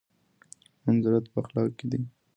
منزلت په اخلاقو کې دی.